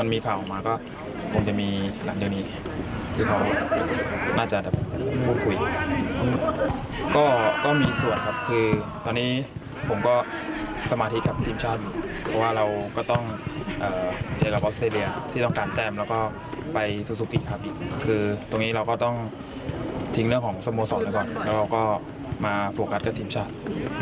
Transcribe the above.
ทิ้งเรื่องของสโมสรก่อนแล้วเราก็มาโฟกัสกับทีมชาติ